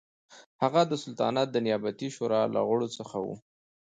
هغه د سلطنت د نیابتي شورا له غړو څخه و.